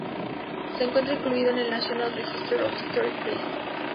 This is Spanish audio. Se encuentra incluido en el National Register of Historic Places.